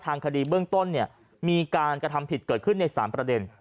ทางคดีเบื้องต้นเนี่ยมีการกระทำผิดเกิดขึ้นใน๓ประเด็น